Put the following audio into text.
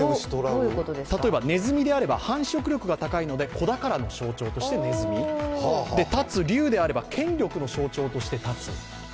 例えばねずみであれば繁殖力が高いので子宝の象徴としてねずみ龍であれば権力の象徴として龍。